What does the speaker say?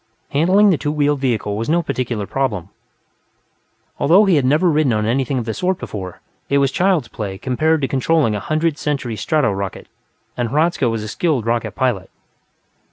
Handling the two wheeled vehicle was no particular problem; although he had never ridden on anything of the sort before, it was child's play compared to controlling a Hundredth Century strato rocket, and Hradzka was a skilled rocket pilot.